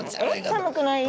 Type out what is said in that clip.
寒くない？